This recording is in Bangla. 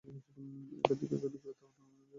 এখানে একাধিক গুরুত্বপূর্ণ বৌদ্ধ মঠ অবস্থিত ছিল।